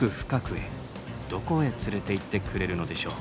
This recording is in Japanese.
どこへ連れていってくれるのでしょう？